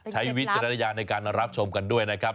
ใช้วิทยาละยานในการรับชมกันด้วยนะครับ